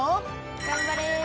頑張れ。